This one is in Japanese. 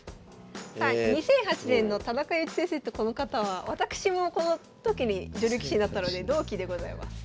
さあ２００８年の田中悠一先生とこの方は私もこの時に女流棋士になったので同期でございます。